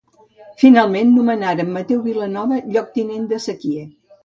Finalment nomenaren Mateu Vilanova lloctinent de sequier.